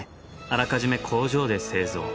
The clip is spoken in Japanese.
あらかじめ工場で製造。